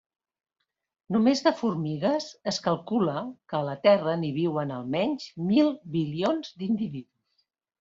Només de formigues, es calcula que a la Terra n'hi viuen almenys mil bilions d'individus.